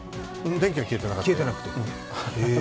電気は消えてなかったです。